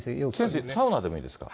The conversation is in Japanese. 先生、サウナでもいいんですか？